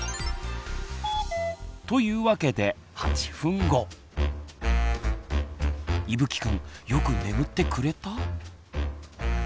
というわけでいぶきくんよく眠ってくれた？